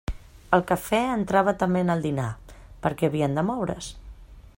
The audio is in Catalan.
El cafè entrava també en el dinar; per què havien de moure's?